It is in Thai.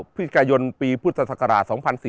พิษการยนต์ปีพุทธศักยา๓๔๗๗